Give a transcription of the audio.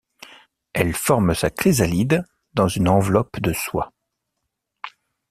Elle forme sa chrysalide dans une enveloppe de soie.